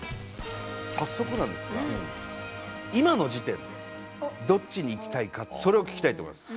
早速なんですが今の時点でどっちに行きたいかそれを聞きたいと思います。